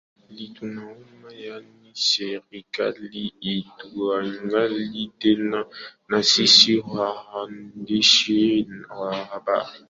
li tunaomba yaani serikali ituangalie tena na sisi waandishi wa habari